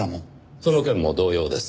その件も同様です。